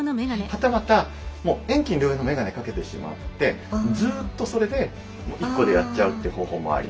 はたまた遠近両用のメガネ掛けてしまってずっとそれで一個でやっちゃうって方法もあります。